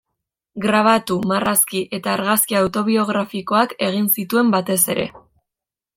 Grabatu, marrazki eta argazki autobiografikoak egin zituen batez ere.